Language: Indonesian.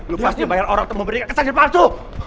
lu pasti bayar orang untuk memberikan kesan yang palsu